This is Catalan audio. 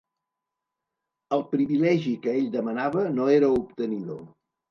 El privilegi que ell demanava no era obtenidor.